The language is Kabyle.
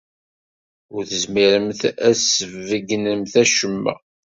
Ur tezmiremt ad sbeggnemt acemma.